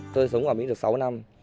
tôi sống ở mỹ được sáu năm